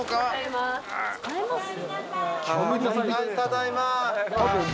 ただいま。